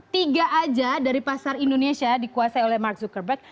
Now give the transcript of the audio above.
tiga aja dari pasar indonesia dikuasai oleh mark zuckerberg